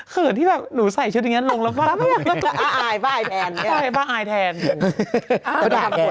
เผื่อที่หาหนูใส่ชุดยังอย่างนั้นแล้วเอาไว้ทันเลย